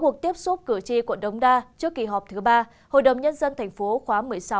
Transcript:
cuộc tiếp xúc cử tri quận đống đa trước kỳ họp thứ ba hội đồng nhân dân tp khóa một mươi sáu